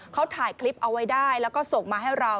เขาถ่ายคลิปเอาไว้ได้แล้วก็ส่งมาให้เรา